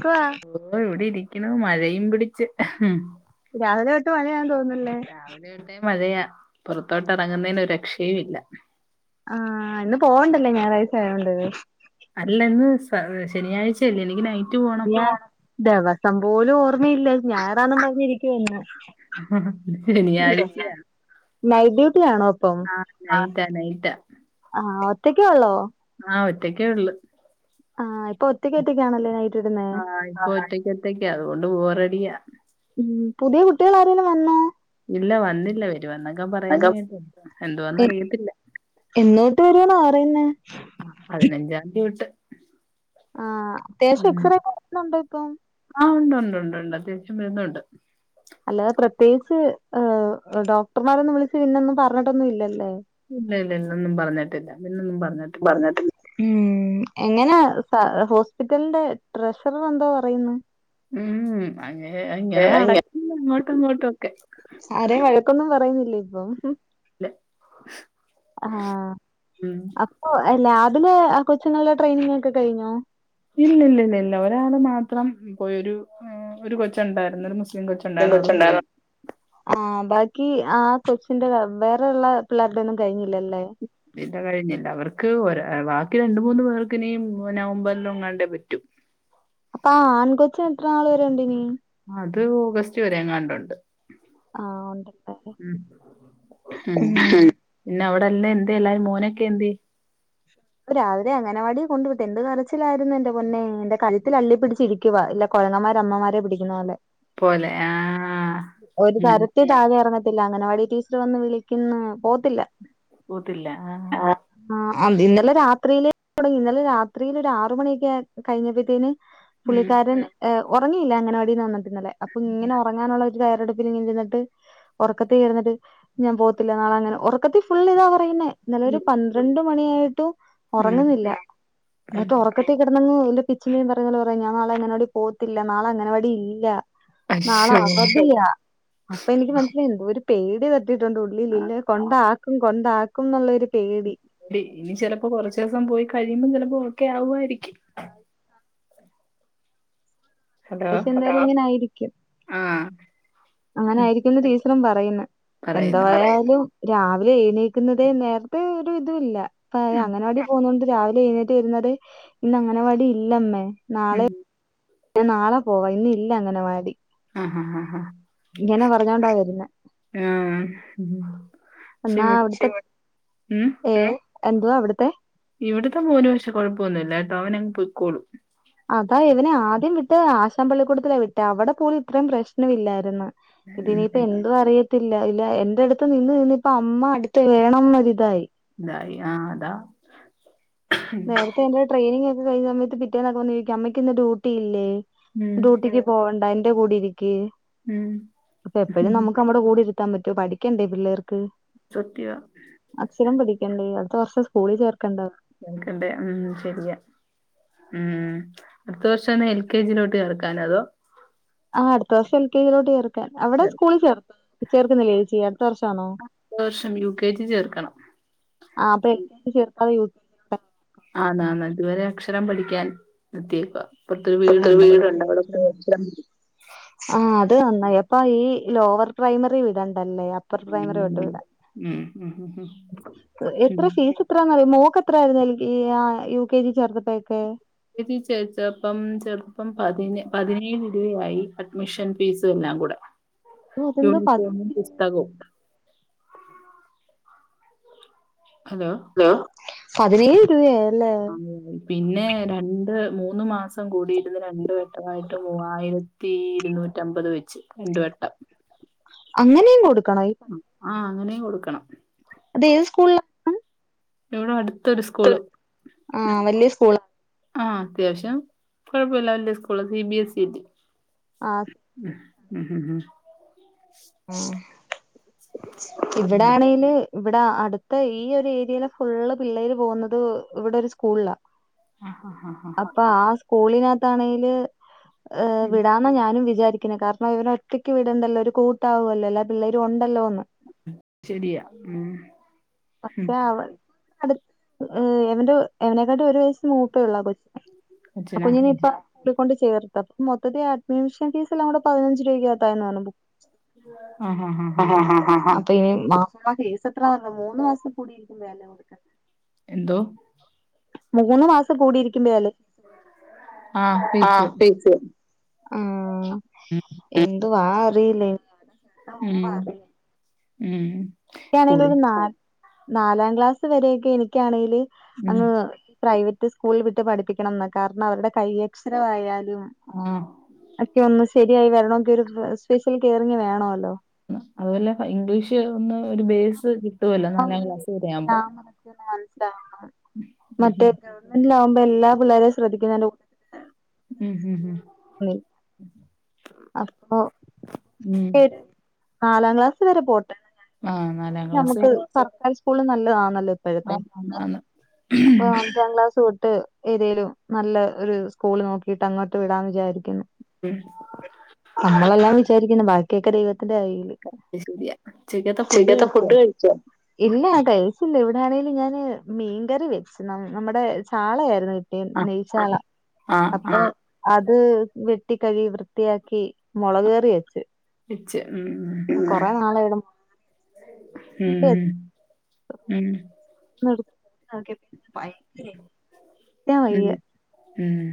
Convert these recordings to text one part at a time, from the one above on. ക്ക്വാ ഓഹ് ഇവിടെ ഇരിക്ക്ണ് മഴയും പിടിച്ച് ഹും രാവിലെ തൊട്ട് മഴയാന്ന് തോന്നുന്ല്ലേ രാവിലെ തോട്ടേ മഴയാ പുറത്തോട്ട് ഇറങ്ങുന്നയ്ന് ഒരു രക്ഷയും ഇല്ല ആഹ് ഇന്ന് പോവണ്ടല്ലേ ഞായറാഴ്ച്ചായതോണ്ടത് അല്ലെന്ന് സാ ശനിയാഴ്ച ച്ചെല്ലേ ല്ലെങ്കി നൈ ല്യ ദെവസം പോലും ഓർമ്മയില്ലാ ഞായറാന്നും പറഞ്ഞിരിക്കുവാ ന്ന് ശെനിയാഴ്ച്ചെയാ നൈഡ്യൂട്ടിയാണോ ആഹ് നൈറ്റാ നൈറ്റാ ആഹ് ഒറ്റക്കേ ഉള്ളോ ആഹ് ഒറ്റക്കെ ഉള്ളൂ ആഹ് ഇപ്പം ഒറ്റക്ക് ഒറ്റക്കാണല്ലേ നൈ ആഹ് ഇപ്പൊ ഒറ്റയ്ക്ക് ഒറ്റയ്ക്ക അതുകൊണ്ട് ബോറഡിയാ ഉം പുതിയ കുട്ടികൾ ആരെലും വന്നോ ഇല്ല വന്നില്ല വരുവ എന്നൊക്കെ പറയുന്ന കേട്ട് എന്തുവാ അറിയത്തില്ല ഇന്ന്തൊട്ട് വരുന്ന പറയുന്നേ ആ പതിനഞ്ചാം തീതൊട്ട് ആഹ് അത്യാവശ്യം എക്സറേക്കെ എടുക്കുന്നുണ്ടേ ഇപ്പം ആഹ് ഉണ്ട് ഉണ്ട് ഉണ്ട് ഉണ്ട് അത്യാവശ്യം വരുന്നുണ്ട് അല്ലാതെ പ്രത്യേകിച്ച് ഹ് ഡോക്ടർമാരൊന്നും വിളിച്ച് പിന്നൊന്നും പറഞ്ഞട്ടൊന്നും ഇല്ലല്ലേ ഇല്ല ഇല്ല ഇന്നൊന്നും പറഞ്ഞട്ടില്ല ഇന്നൊന്നും പറഞ്ഞട്ടില്ല പറഞ്ഞിട്ടില്ല ഉം എങ്ങനാ സ ഹോസ്പിറ്റലിന്റെ ട്രഷറർ എന്തോ പറയുന്നു ഉം അങ്ങ ഏ ഇങ്ങനെ അങ്ങ നടക്കും അങ്ങോട്ടും ഇങ്ങോട്ടും ഒക്കെ ആരെയും വഴക്കൊന്നും പറയുന്നില്ല ഇപ്പം ല്ല ആഹാ അപ്പോ ലാബിലെ കൊച്ചുങ്ങളിലെ ട്രെയിനിങ് ഒക്കെ കഴിഞ്ഞോ ഇല്ല് ഇല്ല് ഇല്ല് ഇല്ല ഒരാള് മാത്രം പോയി ഒരു ആ ഒരു കൊച്ച് ഉണ്ടായിരുന്നു ഒരു മുസ്ലി പെൺ കൊച്ചുണ്ടായിരുന്നു ആഹാ ബാക്കി ആ കൊച്ചിന്റെ വേ വേറെയുള്ള പിള്ളേരുടെ ഒന്നും കഴിഞ്ഞില്ലല്ലേ ഇല്ല കഴിഞ്ഞില്ല അവർക്ക് ഒരാ ബാക്കി രണ്ട് മൂന്ന് പേർക്ക് ഇനിയും നവംബറിൽ എങ്ങാണ്ടേ പറ്റു ആ ആൺ കൊച്ച് എത്ര നാള് വരെണ്ട് ഇനി അത് ഓഗസ്റ്റ് വരെങ്ങാനുണ്ട് ആഹ് ഉണ്ട് ഇപ്പേ ഉം പിന്നെ അവിടെ എല്ല എന്തേ എല്ലാവരും മോനൊക്കെ എന്ത്യേ രാവിലെ അംഗനവാടി കൊണ്ടു വിട്ടു എന്ത് കരച്ചിലായിരുന്നു എൻ്റെ പൊന്നെ എന്റെ കളുത്തിൽ അള്ളി പിടിച്ചിരി ഇരിക്കുവാ ഇല്ല കൊരങ്ങൻമാര് അമ്മമാരെ പിടിക്കുന്ന പോലെ പോലെ ആഹ് ഒരു താര അങ്ങനെ ത്തില് താഴെ ഇറങ്ങത്തില്ല അംഗനവാടി ടീച്ചർ വന്ന് വിളിക്കുന്നു പോകത്തില്ല പേകത്തില്ല ആഹ് ആഹ് ആഹാ അം ഇന്നലെ രാത്രിയില് തുടങ്ങി ഇന്നലെ രാത്രിയില് ഒരു ആറ് മണിയൊക്കെ ആയ് കഴിഞ്ഞപ്പത്തേന് ഉം പുള്ളിക്കാരൻ ഏഹ് ഉറങ്ങിയില്ല അംഗനവാടിന്ന് വന്നപ്പോ ഇന്നലെ അപ്പൊ ഇങ്ങനെ ഉറങ്ങാനുള്ള തയ്യാറെടുപ്പിൽ ഇങ്ങനെ ഇരുന്നിട്ട് ഉറക്കത്തി ഇരുന്നിട്ട് ഞാൻ പോകത്തില്ല നാളെങ്ങനെ ഉറക്കത്തി ഫുള്ള് ഇതാ പറയുന്നേ ഇന്നലെ ഒരു ഉം പന്ത്രണ്ട് മണിയായിട്ടും ഉം ഉറങ്ങുന്നില്ല ഉം. എന്നിട്ട് തൊട്ടി കിടന്ന് അങ്ങ് എന്ത് പിച്ചും പേയും പറയുന്ന പോലെ പറയ ഞാൻ നാളെ അംഗനവാടി പോകത്തില്ലാ നാളെ അംഗനവാടി ഇല്ല നാളെ അശ്ശോ അവധിയ അപ്പൊ എനിക്ക് മന ഒരു പേടി തട്ടിട്ടുണ്ട് ഉള്ളില് ആ ഇല്ലെ കൊണ്ടാക്കും കൊണ്ടാക്കും എന്നുള്ളരു പേടി ടി ഇനി ചിലപ്പോ കുറച്ച് ദിവസം പോയി കഴിയുമ്പം ചിലപ്പോ ഓക്കെ ആവുവായിരിക്കും [unintelligible] ഒരു ഹലോ പക്ഷെ എന്തായാലും ഇങ്ങനെ ആയിരിക്കും ആഹ് അങ്ങനെ ഉം ആയിരിക്കുമെന്ന് ടീച്ചറും പറയുന്നു എന്തോ പറയുന്നു ആയാലും രാവിലെ എഴുനേക്കുന്നതെ നേരത്തെ ഒരു ഇതു ഇല്ല ഇപ്പം ആഹ് അംഗനവാടി പോകുന്നോണ്ട് രാവി ലെ ഏറ്റ് ഇരുന്നതെ ഇന്ന് അംഗനവാടിയില്ലമ്മെ നാളെ ഉം ഞാൻ നാളെ പോവാം ഇന്ന് ഇല്ല അംഗനവാടി ആഹ് ഹാ ഹാ ഹാ ഹാ ഇങ്ങനെ പറഞ്ഞോണ്ട വരുന്ന ആഹ് ഉം പക്ഷെ എന്നാ ഇവിടെ അവിട്ത്തെ ഉം ഏ എന്തുവാ അവിടുത്തെ ഇവിടത്തെ മോന് പക്ഷെ കുഴപ്പമൊന്നുമില്ല കേട്ടോ അവനങ്ങ് പോയ്ക്കോളും അതാ ഇവനെ ആദ്യം വിട്ടത് ആശാൻ പള്ളിക്കൂടത്തിലാ വിട്ടേ അവിടെ പോലും ഇത്രയും പ്രശ്നം ഇല്ലായിരുന്നു ഇതി ഇപ്പ ഉം എന് അത് അറിയത്തില്ല. ഇല്ല എന്റെ അടുത്ത് നിന്ന് നിന്ന്പ്പ അമ്മ അടുത്ത് വേണം എന്നൊരിതായി ഇതായി ആഹ് അതാ നേരത്തെ എന്റെ ട്രെയിനിങ് ഒക്കെ കഴിഞ്ഞ സമയത്ത് പിറ്റേന്നൊക്കെ വന്ന് ചോയിക്കും അമ്മക്ക് ഇന്ന് ഡ്യൂട്ടില്ലേ ഉം ഡ്യൂട്ടിക്ക് പോണ്ട എന്റെ കൂടിരിക്ക്‌ ഉം അപ്പ എപ്പഴും നമുക്ക് ന ടെ കൂടിരുത്താൻ പറ്റോ പഠിക്കണ്ടേ പിള്ളേർക്ക്? സത്ത്യവാ അക്ഷരം പഠിക്കണ്ടേ? അടുത്ത വർഷം സ്കൂളിൽ ചേർക്കണ്ട ചേർക്കണ്ടേ ഉം ശരിയാ. ഉം അടുത്ത വർഷന്ന് എൽ കെ ജീലോട്ട് ചേർക്കാനോ അതോ? ആഹ് അടുത്ത വർഷം എൽ കെ ജീലോട്ട് ചേർക്കാൻ. അവടെ സ്കൂളിൽ ചേർത്തോ? ചേർക്കുന്നില്ലേ ചേച്ചി? അടുത്ത വർഷാണോ? അട്ത്ത വർഷം യു കെ ജി ചേർക്കണം. ആ അപ്പ [inaudible] ചേർക്കാതെ യു ജി ആന്നാന്ന് ഇതുവരെ അക്ഷരം പഠിക്കാൻ നിർത്തിയേക്കുവാ ഇപ്പുറത്തൊരു പ്പത്തൊരു വീടുണ്ട് അവിടെ വീടൊണ്ട് പോയി അവടെ പോ അക്ഷരം ആഹ് അത് നന്നായി അപ്പൊ ഈ ലോവർ പ്രൈമറി വിടണ്ടല്ലേ? അ അപ്പർ പ്രൈമറി ഒട്ട് പഠിക്കുന്നുണ്ട്. വിടാം ഉം ഉം ഉം ഉം ഉം എത്ര ഫീസ്? ത്രന്നറിയോ മോക്കെത്രാരുന്നു എൽ ആ ഈ യു കെ ജി ചേർത്തപ്പെക്കെ? ഇത് ചോയ്ച്ചപ്പം ചെർപ്പം പതിന പതിനേഴുരുവയായി അഡ്മിഷൻ ഫീസെല്ലാം കൂടെ, ഓ അതെന്തോ പതി യൂണിഫോമും പുസ്തകോം ഹലോ ഹലോ പതിനേഴുരുവയായല്ലേ ആ, പിന്നെ രണ്ട് മൂന്ന് മാസം കൂടിയിര്ന്ന് രണ്ട് വെട്ടവായിട്ട് മൂവായിരത്തി ത്തി ഇരുന്നൂറ്റമ്പത് വെച്ച് രണ്ട് വട്ടം അങ്ങനെയും കൊടുക്കണ ആഹ് അങ്ങനേം കൊടുക്കണം അതേത് സ്കൂള്ലാ ഇവിടടുത്തൊരു സ്കൂള് ആ വലിയ സ്കൂളാ ആഹ് അത്യാവശ്യം കൊഴപ്പോല്ല വല്ല്യ സ്കൂളാ സി ബി എസ് സി റ്റി ആഹ് ഉം ഉഹ് ഉം ഉം ഉം ഇവിടാണേല് ഇവിടാ അടുത്ത് ഈ ഒരു ഏരിയയിലെ ഫുള്ള് പിള്ളേര് പോകുന്നത് ഇവിടൊരു സ്കൂളിലാ ആഹ് ഹാ ഹാ ആ പ്പൊ ആ സ്കൂളിനാത്താണേല് ഉം വിടാന്ന ഞാനും വിചാരിക്കണ കാരണം ഇവനൊ ഒറ്റക്ക് വിടണ്ടല്ലോ? ഒരു കൂട്ടാവല്ലോ. എല്ലാ പിള്ളേരു ഒണ്ടല്ലോന്ന്. ശരിയാ ഉം ഉം പക്ഷെ അവൻ അടു എവന്റെ എവനെക്കാട്ടും ഒരു വയസ്സ് മൂത്തേഒള്ളൂ ആ കൊച്ച് ആ അച്ഛനാ കുഞ്ഞിനിപ്പ ടെ ക്കൊണ്ട് ചേർത്ത് അപ്പ മൊത്തത്തി അഡ്മിഷൻ ഫീസെല്ലാം കൂടെ പതിനഞ്ച് രൂവയ്ക്കാത്തായെന്നു പറഞ്ഞു ബുക്ക് ആഹ് ആഹ് ആ ആഹ് ഹാ ആഹ് ഹാ ഹാ ഹാ അപ്പൊ ഇനി മാസം മാസം ഫീസെത്ര വല്ലോ? മൂന്ന് മാസം കൂടിയിരിക്കുമ്പോഴല്ലേ കൊടുക്ക എന്തോ? മൂന്ന് മാസം കൂടിയിരിക്കുമ്പോേഴല്ലേ? ആഹ് ഫീസ് ആഹ് ഉം എന്തൊ വാ അറില്ലേയ് ഉം ഉം എനിക്കാണേല് സ്കൂളിൽ ഒരു നാല് നാലാം ക്ലാസ് വരെയൊക്കെ എനിക്കാണേല് ഉം അങ്ങ് പ്രൈവറ്റ് സ്കൂളിൽ വിട്ട് പഠിപ്പിക്കണംന്ന. കാരണം അവരുടെ കൈയക്ഷരവായാലും ആഹ് ഒക്കെയൊന്ന് ശെരിയായി വരണൊങ്കി ഒരു സ്പെഷ്യൽ കെയറിങ് വേണോലോ? അതുപോലെ ഇംഗ്ലീഷ് ഒന്ന് ഒരു ബേസ് കിട്ടുവല്ലോ നാലാം ക്ലാസ് വരെ ആവുമ്പം [inaudible] ഉം ന്നട്ട് ഇല്ലമ്പാ എല്ലാ പിള്ളേരേം ശ്രദ്ധിക്കുന്നെ മ്മ് മ്മ് മ്മ് [unintelligible] [inaudible] അപ്പോ ഉം ഈയൊരു നാലാം ക്ലാസ്സ് വരെ പൊട്ടെ [inaudible] ആഹ് നാലാം ക്ലാസ് വരെ സർക്കാര് സ്കൂളും നല്ലതാനല്ലോ ഇപ്പഴത്തെ ആഹ് ആന്ന് ആന്ന് അപ്പോ അഞ്ചാം ക്ലാസോട്ടു ഏതേലും നല്ല ഒരു സ്കൂള് നോക്കിട്ട് അങ്ങോട്ട് വിടാന്ന് വിചാരിക്കുന്നു ഉം നമ്മളെല്ലാം വിചാരിക്ക്ന്നു ബാക്കിക്കെ ദൈവത്തിന്റെ കയില് [inaudible] ശെരിയാ ഉച്ചക്കത്തെ ഫുഡ് കഴിച്ചോ? ഇല്ല കഴിച്ചില്ല ഇവിടാണേല് ഞാന് മീങ്കറി വെച്ച് നമ്മടെ ചാളയാരുന്ന് [unintelligible] ആഹ് നെയ്ചാള ആഹ് അപ്പോ ആഹ് അത് വെട്ടിക്കഴിവി വൃ ത്തിയാക്കി മൊളക് ക്കറി വെച്ചു വെച്ച് ഉം നാളായി ഇവിടെ മുളക് കറി ഉം വെച്ചിട്ട്. ഉം [inaudible] മ്മ് മ്മ്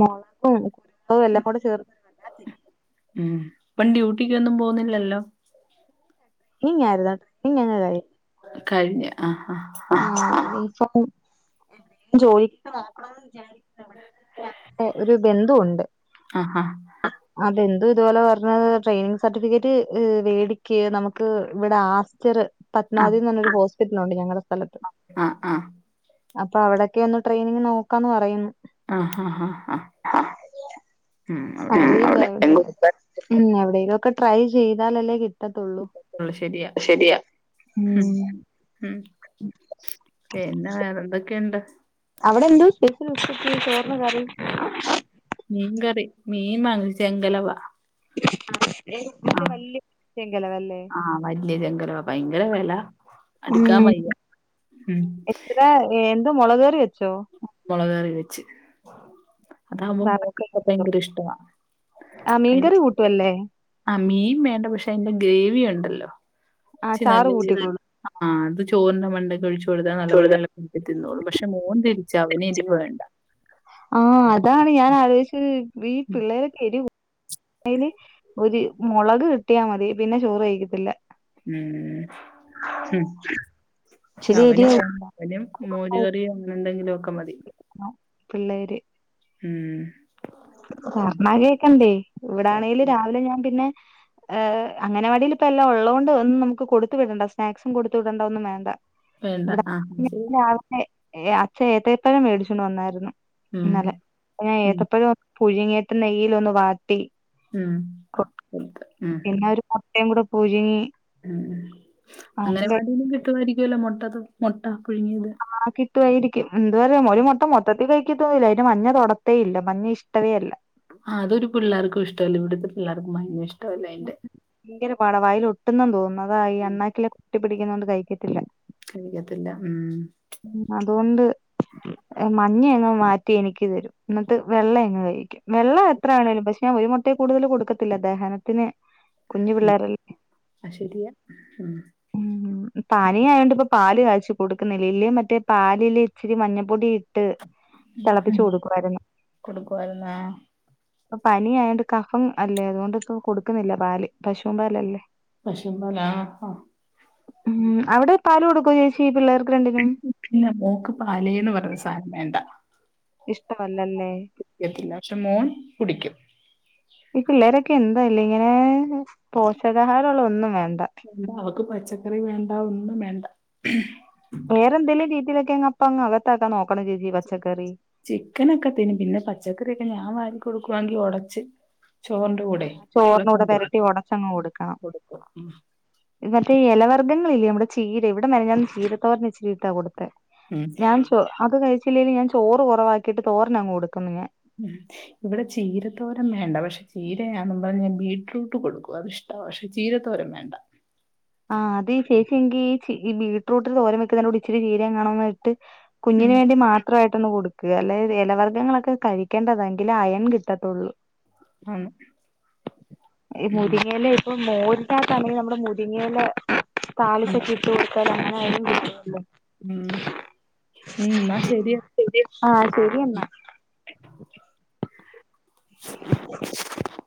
മൊളകും [inaudible] എല്ലാം കൂടെ ചേർ മ്മ് ഇപ്പം ഡ്യൂട്ടിക്കൊന്നും പോന്നിലല്ലോ [unintelligible] കഴിഞ്ഞ് ആഹ് ആഹ് [unintelligible] ജോലിക്ക് [inaudible] [inaudible] ഏഹ് ഒരു ബന്ധുവോണ്ട് ആഹ് ആഹ് ആഹ്‌ ബന്ധു ഇതുപോലെ പറഞ്ഞത് ട്രെയിനിങ് സർട്ടിഫിക്കറ്റ് വേടിക് നമുക്ക് ഇവടെ ആ സ്റ്ററ് ആഹ് പത്മവതിന്ന് പറയുന്ന ഹോസ്പിറ്റലോണ്ട് ഞങ്ങട സ്ഥലത്ത് ആഹ് ആഹ് അപ്പോ അവടൊക്കെ ഒന്ന് ട്രെയിനിങ് നോക്കാന്ന് പറയുന്നു. ആഹ് ആഹ് ആഹ് ഉം അവിടെയും [inaudible] എവടെലുക്കെ ട്രൈ ചെയ്താലല്ലേ കി ട്ടത്തോള്ളൂ കൊടുക്കാതിരിക്കത്തുള്ളൂ ശരിയാ ശെരിയാ ഉം ഉം പിന്നെ വേറെന്തൊക്കെയൊണ്ട് അവടെന്തോ സ്പെഷ്യൽ ഉച്ചക്ക് ചോറിനു കറി മീങ്കറി മീൻ വാങ്ങി ചെങ്കലവാ. [inaudible] ആഹ് വല്യ ചെങ്കലവല്ലേ ആഹ് വല്യ ചെങ്കലവ പയങ്കര വെല അടുക്കാൻ ഉം വയ്യ ഉം എത്ര എന്ത് മൊളക് കറി വെച്ചോ മൊളക് കറി വെച്ച് അതാകുമ്പോ മോക്കൊക്കെ ഭയങ്കര ഇഷ്ടവാ അയ്ന്റി ടു അല്ലെ ആ മീൻ വേണ്ട പക്ഷെ അതിന്റെ ഗ്രേവിയുണ്ടല്ലോ ആ ച്ചിരി നല്ല ചാറ് [unintelligible] കൂട്ടിക്കോളൂ അഹ് ആഹ് അത് ചോറിന്റെമ ണ്ടയ്ക്കൊഴിച്ച് കൊട്ത്താ നല്ലപോലെ എള ക്കി തിന്നോളും പക്ഷെ മോൻ തിരിച്ചാ അവനെരിവ് വേണ്ട ആഹ് അതാണ് ഞാൻ ആലോയിച്ചത് ഈ പിള്ളേരൊക്കെ എരിവ് അയ്ല് ഒര് മൊളക് കിട്ടിയാ മതി പിന്നെ ചോറ് കഴിക്കത്തില്ല ഉം ഹും പക്ഷേ ഇച്ചിരി എരി അവന് വേണ്ട അവനും മോര്കറിയൊ അങ്ങനെ എന്തെങ്കിലും ഒക്കെ മതി ആ പിള്ളേര് ഉം. ഉം പറഞ്ഞാ കേക്കണ്ടേ ഇവിടാണെല് സദ്യ രാവിലെ ഞാൻ പിന്നെ ഏഹ് അങ്ങനവാടിയില് ഇപ്പ എല്ലാം ഉള്ളോണ്ട് ഒന്നും നമുക്ക് കൊടുത്ത് വിടണ്ട സ്നാക്സും കൊടുത്തു വിടണ്ട ഒന്നും വേണ്ട വേണ്ട ഇവിടെ ആ ശരി ആണെ അച്ഛൻ രാവിലെ ഏത്തപ്പഴം മേടിച്ചോണ്ട് വന്നായിരുന്നു ഉം ഇന്നലെ അപ്പഞാ ഉം ഏത്തപ്പഴം പുഴുങ്ങിയിട്ട് നെയ്യിൽ ഒന്ന് വാട്ടി ഉം. [unintelligible] ത്ത് പിന്നെ ഒരു മുട്ടയും കൂടെ പുഴിങ്ങി ഉം ഉം അംഗനവാടിലും കിട്ടുവായിരിക്കുവല്ലോ മൊട്ടത് മൊട്ട പുഴുങ്ങിയത് ആഹ് കിട്ടുവായിരിക്കും ന്തുവാ [unintelligible] മോ ഒരു മുട്ട മൊത്തത്തിൽ കഴിക്കത്തൊന്നുല്ല അതിന് മഞ്ഞ തൊടത്തെ ഇല്ല മഞ്ഞ ഇഷ്ടവേ അല്ല അതൊരു പിള്ളാർക്കും ഇഷ്ടവല്ലന്ന്ണ്ട് ഇവിടത്തെ പിള്ളേർക്കും മഞ്ഞ ഇഷ്ടവല്ല അയ്ന്റെ ഭയങ്കര പാടാ വായിലൊട്ടുന്നെന്ന് തോന്നുന്നു അതാ ഈ ഉം അണ്ണാക്കിലെ ഒട്ടി പിടിക്കുന്നോണ്ട് കഴിക്കത്തില്ല കഴിക്കത്തില്ല ഉം. ഉം. അതുകൊണ്ട് മഞ്ഞയങ്ങ് മാറ്റി എനിക്ക് തരും ന്ന്ട്ട് വെള്ളം അങ്ങ് കഴിക്കും വെള്ളം എത്ര ആണേങ്കിലും പക്ഷെ ഞാൻ ഒരു മുട്ടേ കൂടുതല് കൊടുക്കത്തില്ല ദഹനത്തിന് കുഞ്ഞു പിള്ളേരെ ആഹ് ശരിയാ ഉം. പനിയായൊണ്ട് ഇപ്പൊ പാല് കാച്ചി കൊടുക്കുന്നില്ല ഇല്ലേ മറ്റേ പാലില് ഇച്ചിരി മഞ്ഞപ്പൊടി ഇ ട്ട് തിളപ്പിച്ചു കൊടുക്കുവാര്ന്ന് കൊടുക്കുവാര്ന്ന് ഏ പ്പ പനിയായോണ്ട് കഫം അല്ലേ അതുകൊണ്ട് ഇപ്പ കൊടുക്കുന്നില്ല പാല് പശൂമ്പാലല്ലേ പശൂമ്പാലാ ആഹ് ആഹ് അഹ് ഉം. അവിടെ പാല് കൊടുക്കുവോ ചേച്ചി പിള്ളേർക്ക് രണ്ടിനും ഇല്ല മോക്ക് പാലേന്ന് പറഞ്ഞൊര് സാനം വേണ്ട ഇഷ്ടവല്ലല്ലെ എത്തില്ല പക്ഷെ മോൻ കുടിക്കും ഈ പിള്ളേരൊക്കെ എന്താല്ലേ ഇങ്ങനെ പോഷകാഹാരുള്ള ഒന്നും വേണ്ട ഇവിടെ അവക്ക് പച്ചക്കറി വേണ്ട ഒന്നും വേണ്ട വേറെ എന്തേലും രീതിയിലോക്കെ അങ്ങ് അപ്പ അങ്ങ് അകത്താക്കാൻ നോക്കണം ചേച്ചി പച്ചക്കറി ചിക്കനൊക്കെ തിന്നും പിന്നെ പച്ചക്കറിയൊക്കെ ഞാൻ വാരി കൊടുക്കുവാണെങ്കി ഒടച്ച് ചോർന്റെ കൂടെയ് ചോറിനൂടെ ഒടച്ചങ്ങ് പെരട്ടി കൊടുക്കും ഒടച്ചങ്ങ് കൊടുക്കണം കൊടുക്കും മറ്റേ എലവർഗ്ങ്ങളില്ലേ നമ്മടെ ചീരെ ഇവിടെ മെനാഞ്ഞാന്ന് ചീരത്തോരന് ഇച്ചിരിട്ടാ കൊടുത്തെ ഉം ഞാൻ ചോ അത് കഴിച്ചില്ലേല് ഞാൻ ചോറ് കൊറവാക്കിട്ട് തോരനങ്ങ് കൊട്ക്ക്ന്ന് ഞാൻ ഉം.. ഇവിടെ ചീരത്തോരം വേണ്ട പക്ഷെ ചീരയാന്നും പറഞ്ഞ് ഞാൻ ബീറ്റ്റൂട്ട് കൊടുക്കും അതിഷ് ടാ പക്ഷെ ചീരത്തോരൻ വേണ്ട ആഹ് അത് ചേച്ചി എങ്കി ഈ ബീറ്റ്റൂട്ട് തോരൻ വെക്കുന്നെന്റെ കൂടെ ഇച്ചിരി ചീരയെങ്ങാണ് അങ്ങട് ഇട്ട് ഉം കുഞ്ഞിന് വേണ്ടി മാ- ത്രായിട്ടൊന്ന് ഒട്ക്കാ. അല്ലായേ ന് എലവർഗങ്ങളൊക്കെ കഴിക്കേണ്ടതാ. എങ്കിലെ അയേൻ കിട്ടത്തൊള്ളൂ. ആന്ന് ഏഹ് ഉം മുരിങ്ങയില ഇപ്പൊ മോര്ട്ടാ [unintelligible] നമ്മള് മുരിങ്ങയില ഉം താളിച്ചോക്കെ ഇട്ടും കൊട്ക്കലാ. അങ്ങനെ ആയാലും തിന്നുവല്ലോ. ഉം.. ഉം.. ന്നാ ശരിയ ശരി. ആഹ് ശരിഎന്നാ